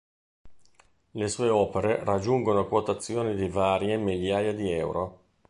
Le sue opere raggiungono quotazioni di varie migliaia di euro.